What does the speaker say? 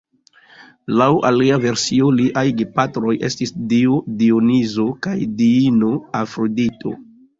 Laŭ alia versio liaj gepatroj estis dio Dionizo kaj diino Afrodito.